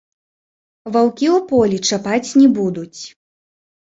Ваўкі ў полі чапаць не будуць.